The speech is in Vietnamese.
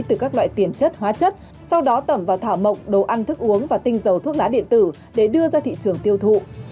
từ các loại tiền chất hóa chất sau đó tẩm vào thảo mộc đồ ăn thức uống và tinh dầu thuốc lá điện tử để đưa ra thị trường tiêu thụ